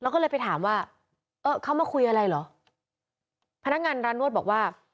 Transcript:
แล้วก็เลยไปถามว่าเออเขามาคุยอะไรเหรอพนักงานร้านนวดบอกว่า